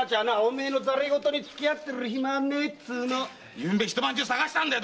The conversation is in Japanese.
昨夜一晩中捜したんだよ！